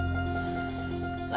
bapak juga gak jelas